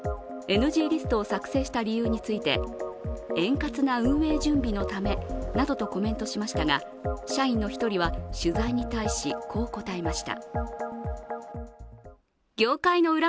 ＮＧリストを作成した理由について、円滑な運営準備のためなどとコメントしましたが、社員の１人は取材に対し、こう答えました。